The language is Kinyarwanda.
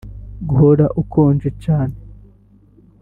Guhora ukonje cyane